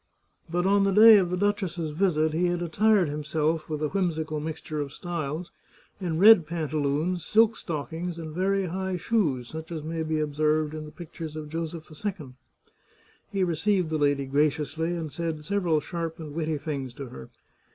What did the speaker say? But on the day of the duchess's visit he had attired himself, with a whimsical mixture of styles, in red pantaloons, silk stock 114 The Chartreuse of Parma ings, and very high shoes, such as may be observed in the pictures of Joseph II. He received the lady graciously, and said several sharp and witty things to her.